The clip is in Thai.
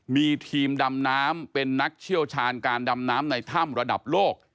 มีทีมดำน้ำเป็นนักเชี่ยวชาญการดำน้ำในถ้ำระดับโลก